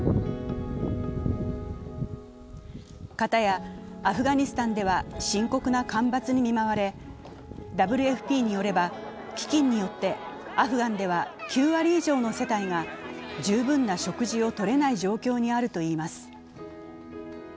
片やアフガニスタンでは深刻な干ばつに見舞われ、ＷＦＰによれば飢饉によってアフガンでは９割以上の世帯が十分な食事をとれない状況にあるといいます。